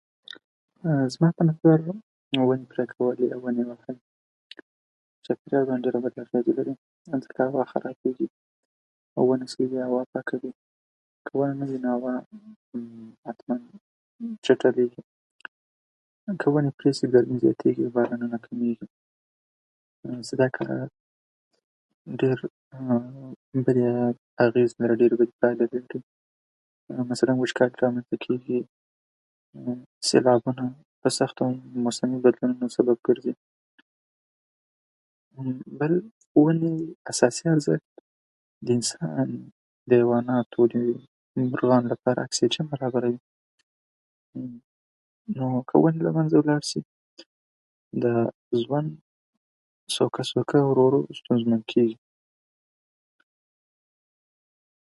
زه کتاب لولم، خو کله کله داسې کېږي چې کتاب ما لولي، ځکه فکر مې بل ځای ته تللی وي.